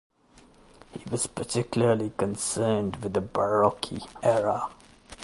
He was particularly concerned with the Baroque era.